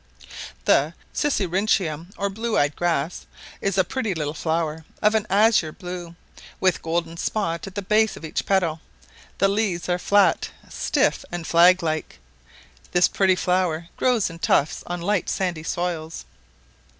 The sisyrinchium, or blue eyed grass, is a pretty little flower of an azure blue, with golden spot at the base of each petal; the leaves are flat, stiff, and flag like; this pretty flower grows in tufts on light sandy soils.